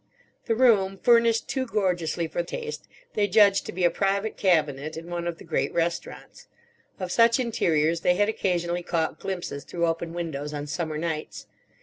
The room, furnished too gorgeously for taste, they judged to be a private cabinet in one of the great restaurants. Of such interiors they had occasionally caught glimpses through open windows on summer nights.